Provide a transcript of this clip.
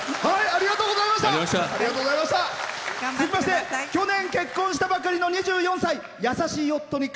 続きまして去年、結婚したばかりの２４歳。